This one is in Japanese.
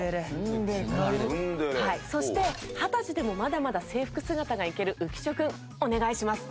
そして二十歳でもまだまだ制服姿がいける浮所君お願いします。